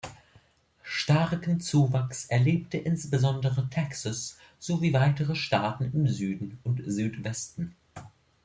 Starken Zuwachs erlebte insbesondere Texas sowie weitere Staaten im Süden und Südwesten.